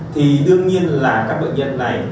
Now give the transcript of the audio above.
thì đương nhiên là các bệnh nhân này